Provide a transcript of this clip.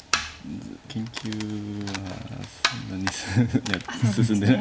研究はそんなに進んでない。